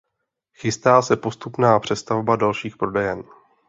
Chystá se postupná přestavba dalších prodejen.